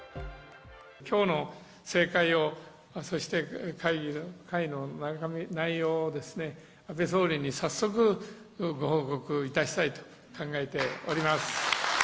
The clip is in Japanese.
きょうの盛会を、そして会の内容をですね、安倍総理に早速、ご報告いたしたいと考えております。